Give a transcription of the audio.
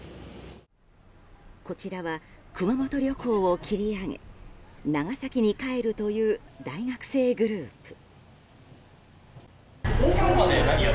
こちらは熊本旅行を切り上げ長崎に帰るという大学生グループ。